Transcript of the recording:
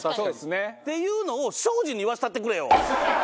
っていうのを庄司に言わせたってくれよ。